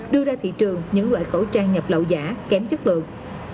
đưa ra thị trường những loại khẩu trang nhập lậu giả kém chất lượng